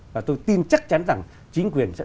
và tôi tin chắc chắn rằng chính quyền sẽ